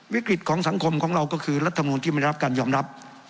วิกฤตของสังคมของเราก็คือรัฐมนูลที่ไม่ได้รับการยอมรับ